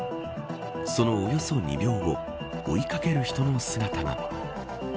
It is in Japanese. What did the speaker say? そのおよそ２秒後追いかける人の姿が。